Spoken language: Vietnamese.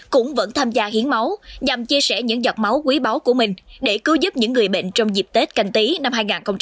cũng vẫn tham gia hiến máu nhằm chia sẻ những giọt máu quý báu của mình để cứu giúp những người bệnh trong dịp tết canh tí năm hai nghìn hai mươi